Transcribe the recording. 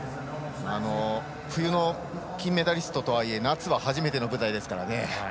冬の金メダリストとはいえ夏は初めての舞台ですからね。